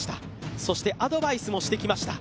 そしてアドバイスもしてきました。